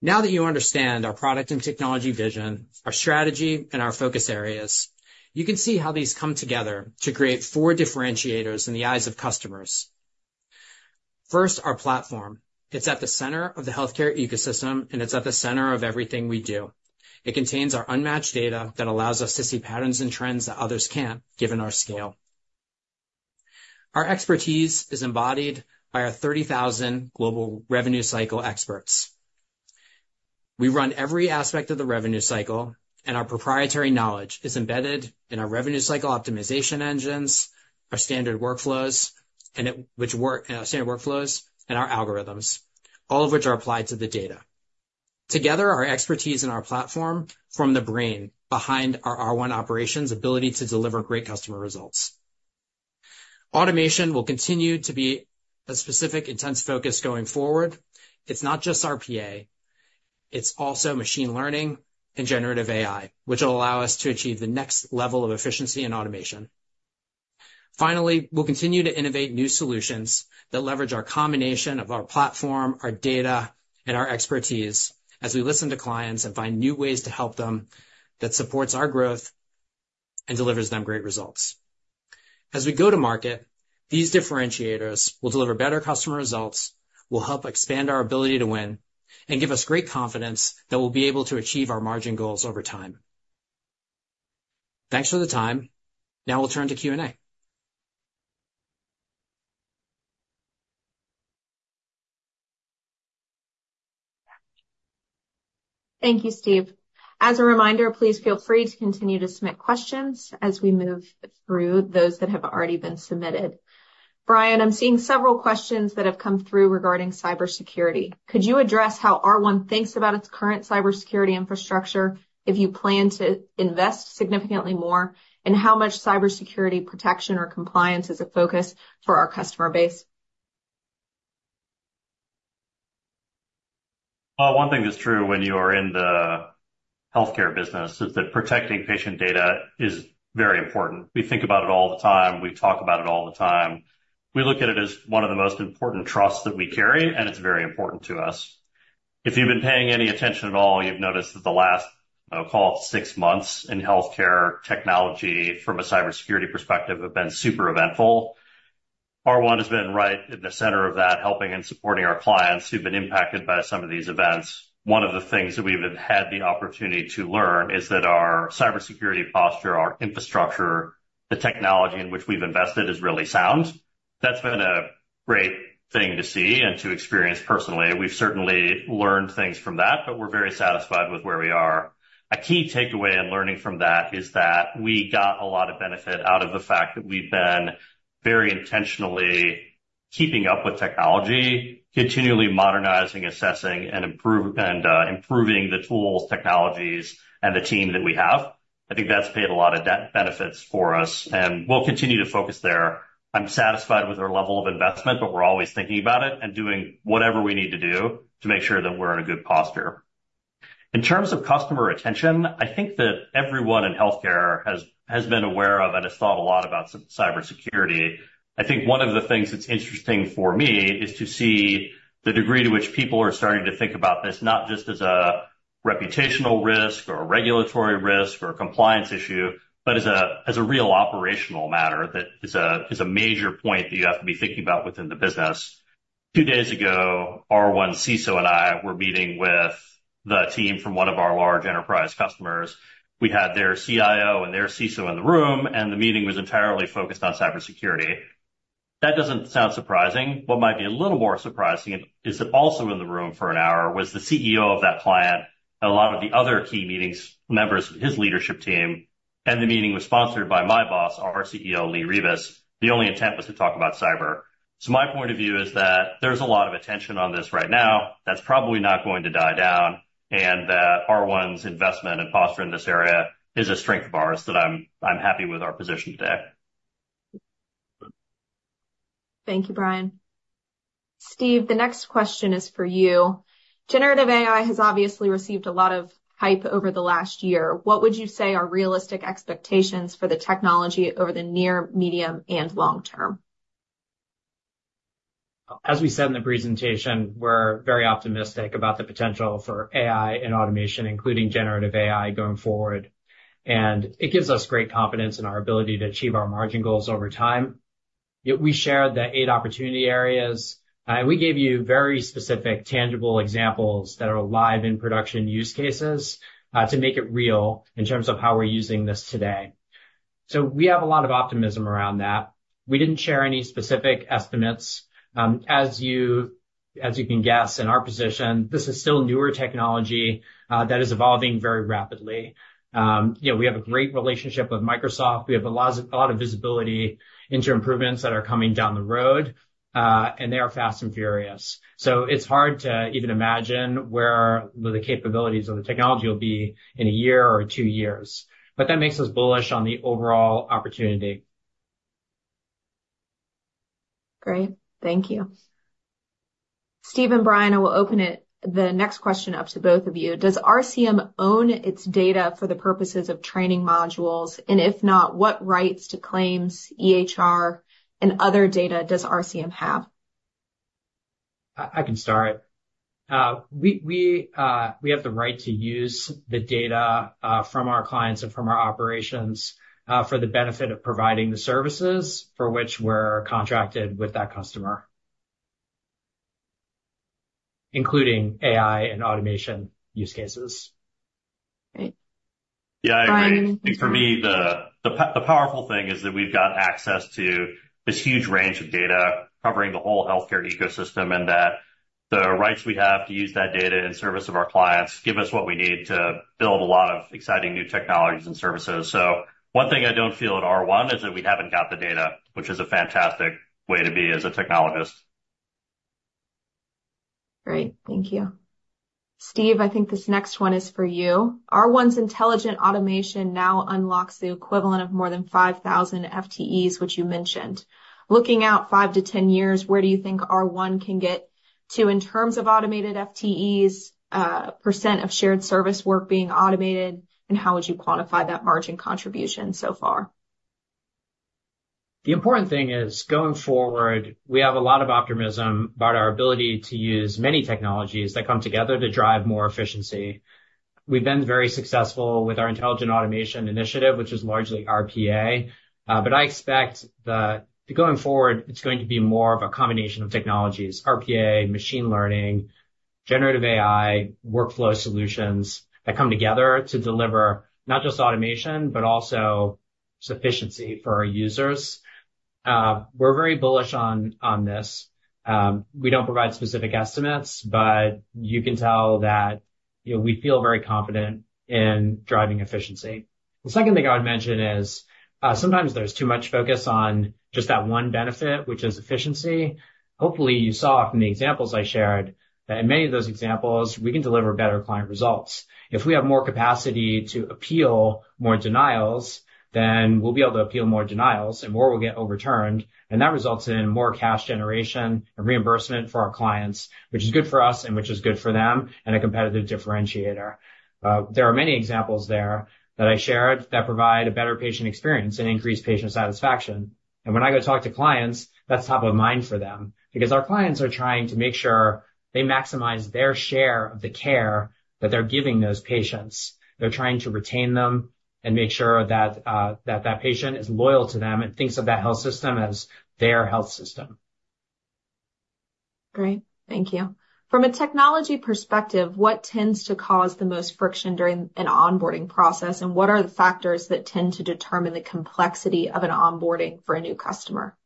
Now that you understand our product and technology vision, our strategy, and our focus areas, you can see how these come together to create four differentiators in the eyes of customers. First, our platform. It's at the center of the healthcare ecosystem, and it's at the center of everything we do. It contains our unmatched data that allows us to see patterns and trends that others can't given our scale. Our expertise is embodied by our 30,000 global revenue cycle experts. We run every aspect of the revenue cycle, and our proprietary knowledge is embedded in our revenue cycle optimization engines, our standard workflows, and our algorithms, all of which are applied to the data. Together, our expertise and our platform form the brain behind our R1 operations' ability to deliver great customer results. Automation will continue to be a specific, intense focus going forward. It's not just RPA. It's also machine learning and generative AI, which will allow us to achieve the next level of efficiency and automation. Finally, we'll continue to innovate new solutions that leverage our combination of our platform, our data, and our expertise as we listen to clients and find new ways to help them that supports our growth and delivers them great results. As we go to market, these differentiators will deliver better customer results, will help expand our ability to win, and give us great confidence that we'll be able to achieve our margin goals over time. Thanks for the time. Now we'll turn to Q&A. Thank you, Steve. As a reminder, please feel free to continue to submit questions as we move through those that have already been submitted. Brian, I'm seeing several questions that have come through regarding cybersecurity. Could you address how R1 thinks about its current cybersecurity infrastructure if you plan to invest significantly more, and how much cybersecurity protection or compliance is a focus for our customer base? One thing that's true when you are in the healthcare business is that protecting patient data is very important. We think about it all the time. We talk about it all the time. We look at it as one of the most important trusts that we carry, and it's very important to us. If you've been paying any attention at all, you've noticed that the last, I'll call it, six months in healthcare technology from a cybersecurity perspective have been super eventful. R1 has been right in the center of that, helping and supporting our clients who've been impacted by some of these events. One of the things that we've had the opportunity to learn is that our cybersecurity posture, our infrastructure, the technology in which we've invested is really sound. That's been a great thing to see and to experience personally. We've certainly learned things from that, but we're very satisfied with where we are. A key takeaway in learning from that is that we got a lot of benefit out of the fact that we've been very intentionally keeping up with technology, continually modernizing, assessing, and improving the tools, technologies, and the team that we have. I think that's paid a lot of benefits for us, and we'll continue to focus there. I'm satisfied with our level of investment, but we're always thinking about it and doing whatever we need to do to make sure that we're in a good posture. In terms of customer retention, I think that everyone in healthcare has been aware of and has thought a lot about cybersecurity. I think one of the things that's interesting for me is to see the degree to which people are starting to think about this, not just as a reputational risk or a regulatory risk or a compliance issue, but as a real operational matter that is a major point that you have to be thinking about within the business. Two days ago, R1's CISO and I were meeting with the team from one of our large enterprise customers. We had their CIO and their CISO in the room, and the meeting was entirely focused on cybersecurity. That doesn't sound surprising. What might be a little more surprising is that also in the room for an hour was the CEO of that client and a lot of the other key members of his leadership team. The meeting was sponsored by my boss, our CEO, Lee Rivas. The only intent was to talk about cyber. My point of view is that there's a lot of attention on this right now. That's probably not going to die down, and that R1's investment and posture in this area is a strength of ours that I'm happy with our position today. Thank you, Brian. Steve, the next question is for you. Generative AI has obviously received a lot of hype over the last year. What would you say are realistic expectations for the technology over the near, medium, and long term? As we said in the presentation, we're very optimistic about the potential for AI and automation, including generative AI, going forward. It gives us great confidence in our ability to achieve our margin goals over time. We shared the eight opportunity areas, and we gave you very specific, tangible examples that are live in production use cases to make it real in terms of how we're using this today. We have a lot of optimism around that. We didn't share any specific estimates. As you can guess, in our position, this is still newer technology that is evolving very rapidly. We have a great relationship with Microsoft. We have a lot of visibility into improvements that are coming down the road, and they are fast and furious. It's hard to even imagine where the capabilities of the technology will be in a year or two years. That makes us bullish on the overall opportunity. Great. Thank you. Steve and Brian, I will open the next question up to both of you. Does RCM own its data for the purposes of training modules? And if not, what rights to claims, EHR, and other data does RCM have? I can start. We have the right to use the data from our clients and from our operations for the benefit of providing the services for which we're contracted with that customer, including AI and automation use cases. Great. Yeah. And for me, the powerful thing is that we've got access to this huge range of data covering the whole healthcare ecosystem and that the rights we have to use that data in service of our clients give us what we need to build a lot of exciting new technologies and services. So one thing I don't feel at R1 is that we haven't got the data, which is a fantastic way to be as a technologist. Great. Thank you. Steve, I think this next one is for you. R1's intelligent automation now unlocks the equivalent of more than 5,000 FTEs, which you mentioned. Looking out 5-10 years, where do you think R1 can get to in terms of automated FTEs, % of shared service work being automated, and how would you quantify that margin contribution so far? The important thing is going forward, we have a lot of optimism about our ability to use many technologies that come together to drive more efficiency. We've been very successful with our intelligent automation initiative, which is largely RPA. But I expect that going forward, it's going to be more of a combination of technologies: RPA, machine learning, generative AI, workflow solutions that come together to deliver not just automation, but also efficiency for our users. We're very bullish on this. We don't provide specific estimates, but you can tell that we feel very confident in driving efficiency. The second thing I would mention is sometimes there's too much focus on just that one benefit, which is efficiency. Hopefully, you saw from the examples I shared that in many of those examples, we can deliver better client results. If we have more capacity to appeal more denials, then we'll be able to appeal more denials, and more will get overturned. And that results in more cash generation and reimbursement for our clients, which is good for us and which is good for them and a competitive differentiator. There are many examples there that I shared that provide a better patient experience and increase patient satisfaction. And when I go talk to clients, that's top of mind for them because our clients are trying to make sure they maximize their share of the care that they're giving those patients. They're trying to retain them and make sure that that patient is loyal to them and thinks of that health system as their health system. Great. Thank you. From a technology perspective, what tends to cause the most friction during an onboarding process, and what are the factors that tend to determine the complexity of an onboarding for a new customer?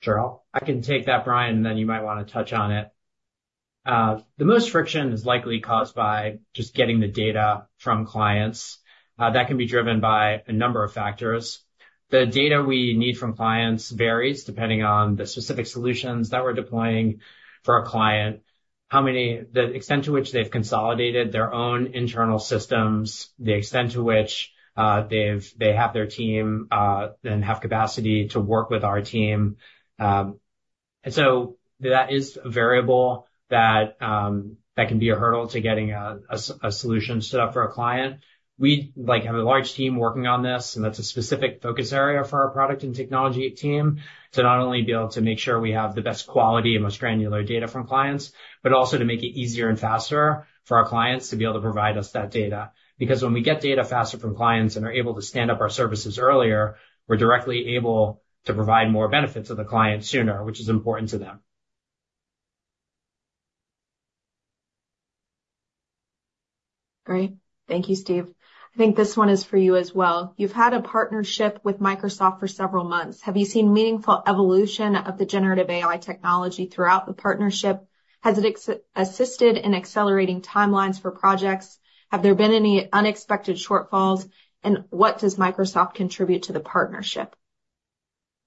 Sure. I can take that, Brian, and then you might want to touch on it. The most friction is likely caused by just getting the data from clients. That can be driven by a number of factors. The data we need from clients varies depending on the specific solutions that we're deploying for our client, the extent to which they've consolidated their own internal systems, the extent to which they have their team and have capacity to work with our team. And so that is a variable that can be a hurdle to getting a solution set up for a client. We have a large team working on this, and that's a specific focus area for our product and technology team to not only be able to make sure we have the best quality and most granular data from clients, but also to make it easier and faster for our clients to be able to provide us that data. Because when we get data faster from clients and are able to stand up our services earlier, we're directly able to provide more benefits to the client sooner, which is important to them. Great. Thank you, Steve. I think this one is for you as well. You've had a partnership with Microsoft for several months. Have you seen meaningful evolution of the Generative AI technology throughout the partnership? Has it assisted in accelerating timelines for projects? Have there been any unexpected shortfalls? And what does Microsoft contribute to the partnership?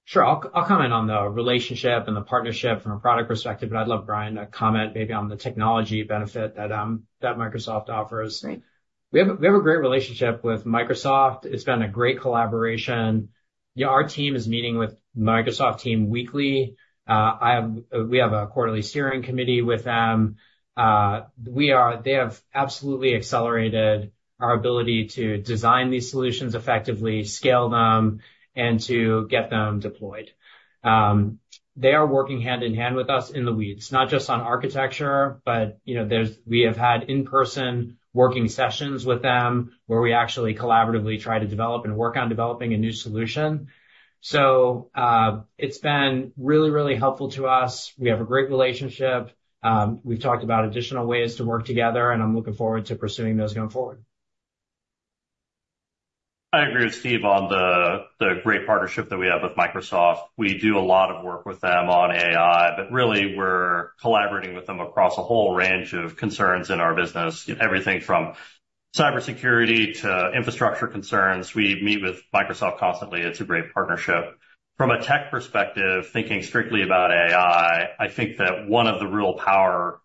Sure. I'll comment on the relationship and the partnership from a product perspective, but I'd love, Brian, to comment maybe on the technology benefit that Microsoft offers. We have a great relationship with Microsoft. It's been a great collaboration. Our team is meeting with Microsoft team weekly. We have a quarterly steering committee with them. They have absolutely accelerated our ability to design these solutions effectively, scale them, and to get them deployed. They are working hand in hand with us in the weeds, not just on architecture, but we have had in-person working sessions with them where we actually collaboratively try to develop and work on developing a new solution. So it's been really, really helpful to us. We have a great relationship. We've talked about additional ways to work together, and I'm looking forward to pursuing those going forward. I agree with Steve on the great partnership that we have with Microsoft. We do a lot of work with them on AI, but really, we're collaborating with them across a whole range of concerns in our business, everything from cybersecurity to infrastructure concerns. We meet with Microsoft constantly. It's a great partnership. From a tech perspective, thinking strictly about AI, I think that one of the real powerful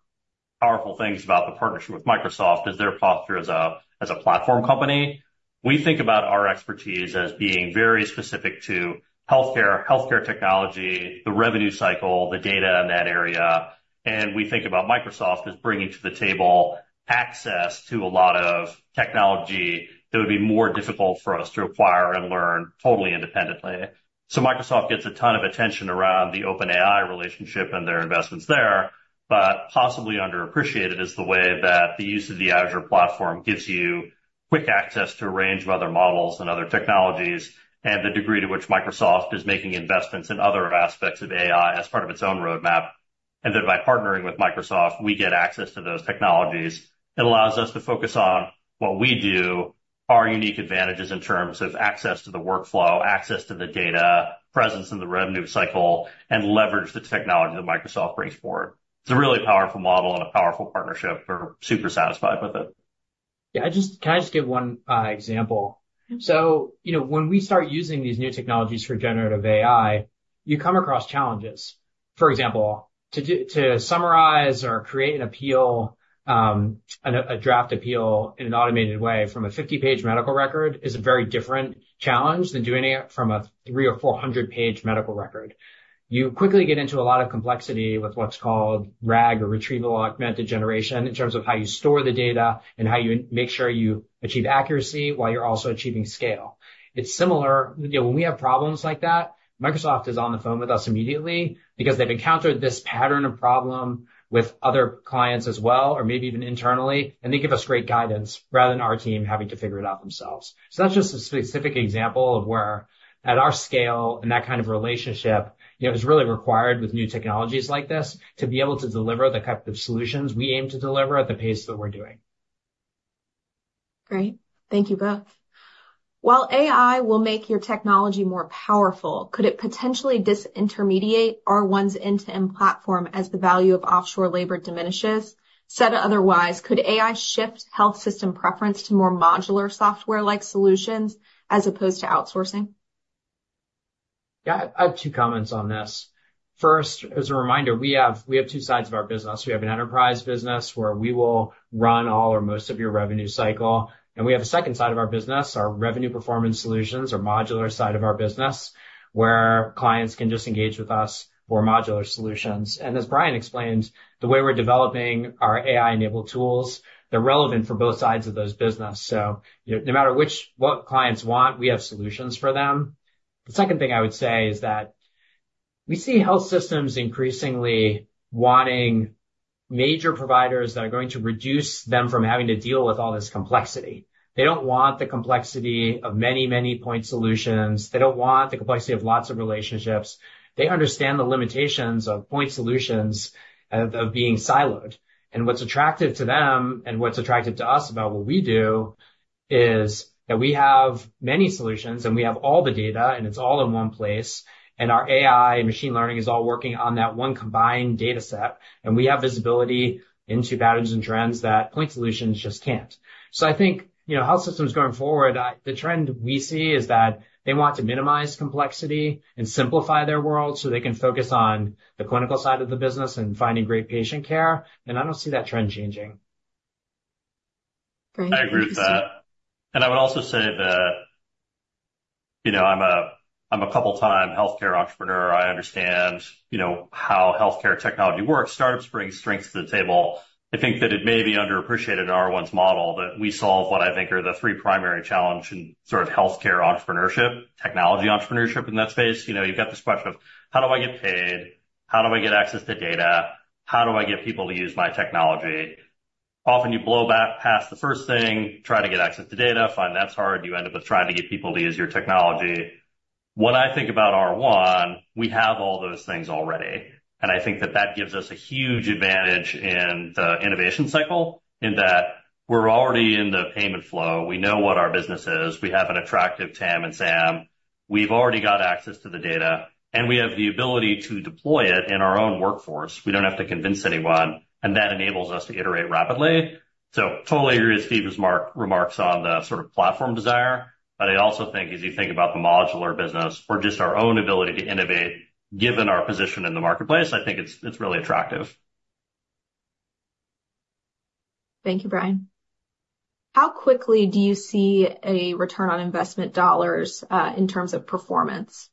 things about the partnership with Microsoft is their posture as a platform company. We think about our expertise as being very specific to healthcare, healthcare technology, the revenue cycle, the data in that area. And we think about Microsoft as bringing to the table access to a lot of technology that would be more difficult for us to acquire and learn totally independently. So Microsoft gets a ton of attention around the OpenAI relationship and their investments there, but possibly underappreciated is the way that the use of the Azure platform gives you quick access to a range of other models and other technologies and the degree to which Microsoft is making investments in other aspects of AI as part of its own roadmap. And that by partnering with Microsoft, we get access to those technologies. It allows us to focus on what we do, our unique advantages in terms of access to the workflow, access to the data, presence in the revenue cycle, and leverage the technology that Microsoft brings forward. It's a really powerful model and a powerful partnership. We're super satisfied with it. Yeah. Can I just give one example? So when we start using these new technologies for generative AI, you come across challenges. For example, to summarize or create an appeal, a draft appeal in an automated way from a 50-page medical record is a very different challenge than doing it from a 300- or 400-page medical record. You quickly get into a lot of complexity with what's called RAG or retrieval-augmented generation in terms of how you store the data and how you make sure you achieve accuracy while you're also achieving scale. It's similar. When we have problems like that, Microsoft is on the phone with us immediately because they've encountered this pattern of problem with other clients as well, or maybe even internally, and they give us great guidance rather than our team having to figure it out themselves. That's just a specific example of where at our scale and that kind of relationship is really required with new technologies like this to be able to deliver the type of solutions we aim to deliver at the pace that we're doing. Great. Thank you both. While AI will make your technology more powerful, could it potentially disintermediate R1's end-to-end platform as the value of offshore labor diminishes? Said otherwise, could AI shift health system preference to more modular software-like solutions as opposed to outsourcing? Yeah. I have two comments on this. First, as a reminder, we have two sides of our business. We have an enterprise business where we will run all or most of your revenue cycle. And we have a second side of our business, our revenue performance solutions, our modular side of our business where clients can just engage with us for modular solutions. And as Brian explained, the way we're developing our AI-enabled tools, they're relevant for both sides of those business. So no matter what clients want, we have solutions for them. The second thing I would say is that we see health systems increasingly wanting major providers that are going to reduce them from having to deal with all this complexity. They don't want the complexity of many, many point solutions. They don't want the complexity of lots of relationships. They understand the limitations of point solutions of being siloed. What's attractive to them and what's attractive to us about what we do is that we have many solutions, and we have all the data, and it's all in one place. Our AI and machine learning is all working on that one combined data set. We have visibility into patterns and trends that point solutions just can't. I think health systems going forward, the trend we see is that they want to minimize complexity and simplify their world so they can focus on the clinical side of the business and finding great patient care. I don't see that trend changing. I agree with that. I would also say that I'm a couple-time healthcare entrepreneur. I understand how healthcare technology works. Startups bring strengths to the table. I think that it may be underappreciated in R1's model that we solve what I think are the three primary challenges in sort of healthcare entrepreneurship, technology entrepreneurship in that space. You've got this question of, how do I get paid? How do I get access to data? How do I get people to use my technology? Often you blow past the first thing, try to get access to data, find that's hard, you end up with trying to get people to use your technology. When I think about R1, we have all those things already. I think that that gives us a huge advantage in the innovation cycle in that we're already in the payment flow. We know what our business is. We have an attractive TAM and SAM. We've already got access to the data, and we have the ability to deploy it in our own workforce. We don't have to convince anyone, and that enables us to iterate rapidly. So totally agree with Steve's remarks on the sort of platform desire. But I also think as you think about the modular business or just our own ability to innovate, given our position in the marketplace, I think it's really attractive. Thank you, Brian. How quickly do you see a return on investment dollars in terms of performance?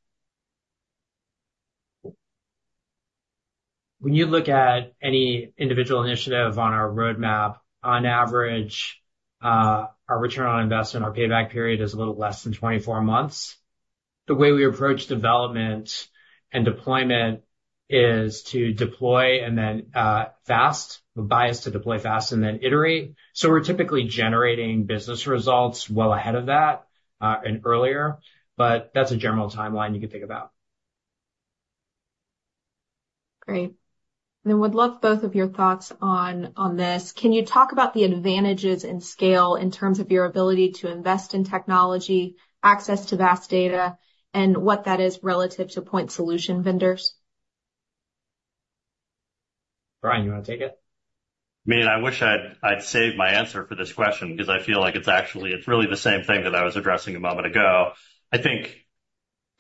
When you look at any individual initiative on our roadmap, on average, our return on investment, our payback period is a little less than 24 months. The way we approach development and deployment is to deploy and then fast. We're biased to deploy fast and then iterate. So we're typically generating business results well ahead of that and earlier, but that's a general timeline you can think about. Great. And then would love both of your thoughts on this. Can you talk about the advantages in scale in terms of your ability to invest in technology, access to vast data, and what that is relative to point solution vendors? Brian, you want to take it? I mean, I wish I'd saved my answer for this question because I feel like it's really the same thing that I was addressing a moment ago. I think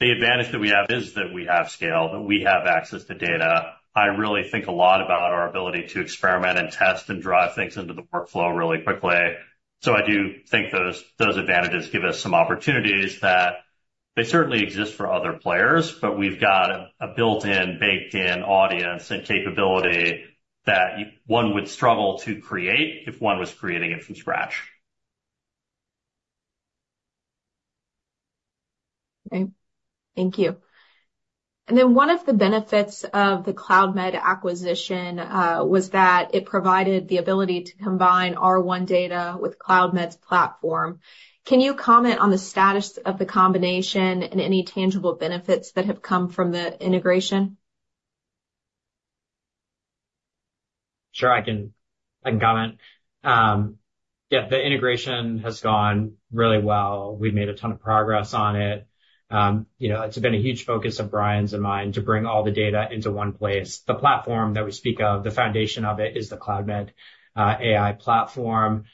the advantage that we have is that we have scale, that we have access to data. I really think a lot about our ability to experiment and test and drive things into the workflow really quickly. So I do think those advantages give us some opportunities that they certainly exist for other players, but we've got a built-in, baked-in audience and capability that one would struggle to create if one was creating it from scratch. Okay. Thank you. And then one of the benefits of the Cloudmed acquisition was that it provided the ability to combine R1 data with Cloudmed's platform. Can you comment on the status of the combination and any tangible benefits that have come from the integration? Sure. I can comment. Yeah. The integration has gone really well. We've made a ton of progress on it. It's been a huge focus of Brian's and mine to bring all the data into one place. The platform that we speak of, the foundation of it, is the Cloudmed AI platform.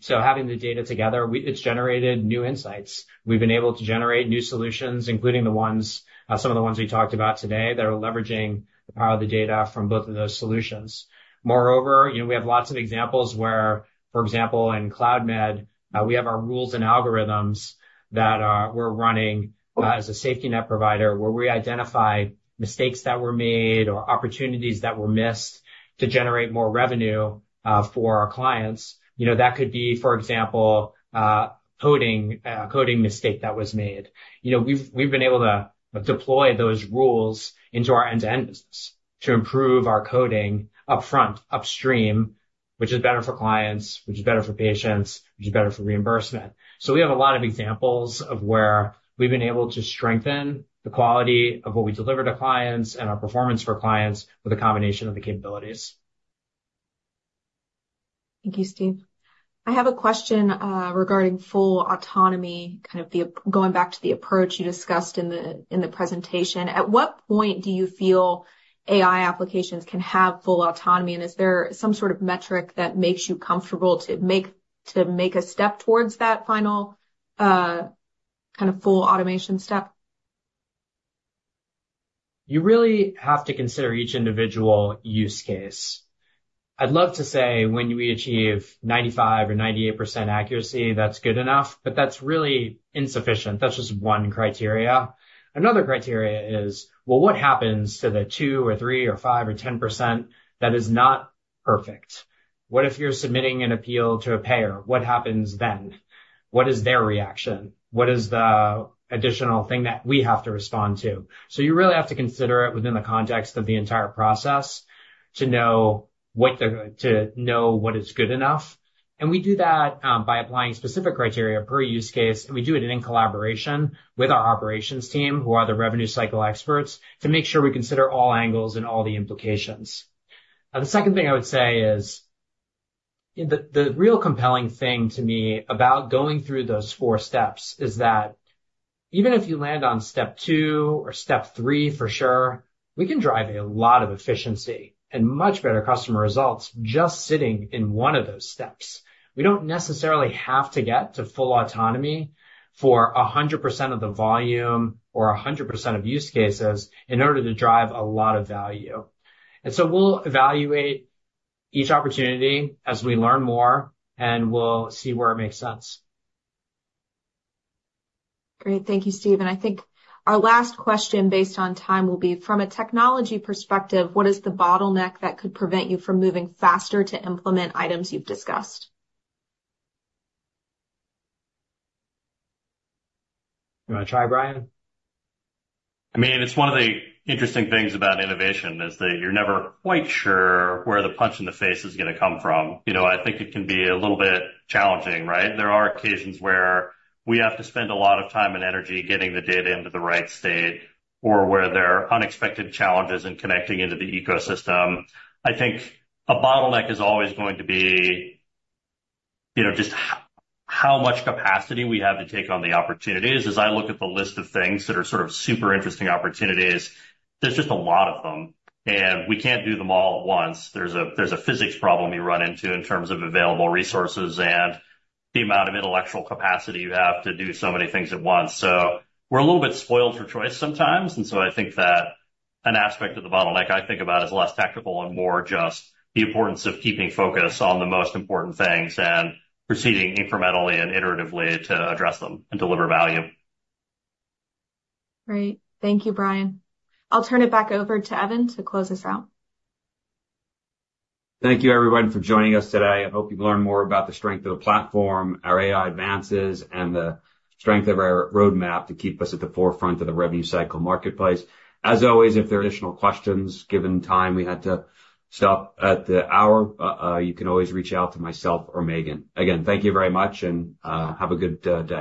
So having the data together, it's generated new insights. We've been able to generate new solutions, including some of the ones we talked about today that are leveraging the power of the data from both of those solutions. Moreover, we have lots of examples where, for example, in Cloudmed, we have our rules and algorithms that we're running as a safety net provider where we identify mistakes that were made or opportunities that were missed to generate more revenue for our clients. That could be, for example, a coding mistake that was made. We've been able to deploy those rules into our end-to-end business to improve our coding upfront, upstream, which is better for clients, which is better for patients, which is better for reimbursement. So we have a lot of examples of where we've been able to strengthen the quality of what we deliver to clients and our performance for clients with a combination of the capabilities. Thank you, Steve. I have a question regarding full autonomy, kind of going back to the approach you discussed in the presentation. At what point do you feel AI applications can have full autonomy? And is there some sort of metric that makes you comfortable to make a step towards that final kind of full automation step? You really have to consider each individual use case. I'd love to say when we achieve 95% or 98% accuracy, that's good enough, but that's really insufficient. That's just one criteria. Another criteria is, well, what happens to the 2% or 3% or 5% or 10% that is not perfect? What if you're submitting an appeal to a payer? What happens then? What is their reaction? What is the additional thing that we have to respond to? So you really have to consider it within the context of the entire process to know what is good enough. We do that by applying specific criteria per use case. We do it in collaboration with our operations team, who are the revenue cycle experts, to make sure we consider all angles and all the implications. The second thing I would say is the real compelling thing to me about going through those four steps is that even if you land on step two or step three, for sure, we can drive a lot of efficiency and much better customer results just sitting in one of those steps. We don't necessarily have to get to full autonomy for 100% of the volume or 100% of use cases in order to drive a lot of value. And so we'll evaluate each opportunity as we learn more, and we'll see where it makes sense. Great. Thank you, Steve. I think our last question based on time will be, from a technology perspective, what is the bottleneck that could prevent you from moving faster to implement items you've discussed? You want to try, Brian? I mean, it's one of the interesting things about innovation is that you're never quite sure where the punch in the face is going to come from. I think it can be a little bit challenging, right? There are occasions where we have to spend a lot of time and energy getting the data into the right state or where there are unexpected challenges in connecting into the ecosystem. I think a bottleneck is always going to be just how much capacity we have to take on the opportunities. As I look at the list of things that are sort of super interesting opportunities, there's just a lot of them. And we can't do them all at once. There's a physics problem you run into in terms of available resources and the amount of intellectual capacity you have to do so many things at once. So we're a little bit spoiled for choice sometimes. And so I think that an aspect of the bottleneck I think about is less technical and more just the importance of keeping focus on the most important things and proceeding incrementally and iteratively to address them and deliver value. Great. Thank you, Brian. I'll turn it back over to Evan to close us out. Thank you, everyone, for joining us today. I hope you've learned more about the strength of the platform, our AI advances, and the strength of our roadmap to keep us at the forefront of the revenue cycle marketplace. As always, if there are additional questions, given time we had to stop at the hour, you can always reach out to myself or Megan. Again, thank you very much, and have a good day.